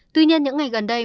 tuy nhiên những ngày gần đây